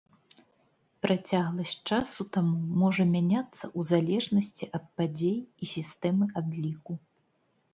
Працягласць часу таму можа мяняцца ў залежнасці ад падзей і сістэмы адліку.